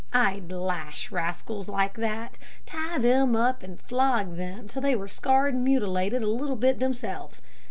I'd lash rascals like that. Tie them up and flog them till they were scarred and mutilated a little bit themselves.